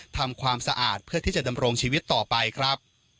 ทำความสะอาดเพื่อที่จะดำรงชีวิตต่อไปครับ